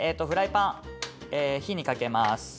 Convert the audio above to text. フライパン火にかけます。